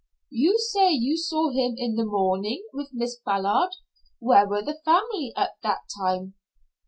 "You say you saw him in the morning with Miss Ballard. Where were the family at that time?"